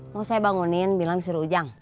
mau saya bangunin bilang suruh ujang